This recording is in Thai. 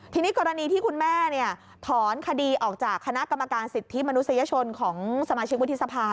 ทีนี้กรณีที่คุณแม่ถอนคดีออกจากคณะกรรมการสิทธิมนุษยชนของสมาชิกวุฒิสภา